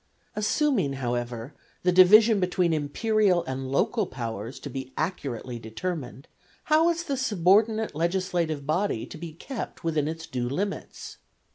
Assuming, however, the division between Imperial and local powers to be accurately determined, how is the subordinate legislative body to be kept within its due limits?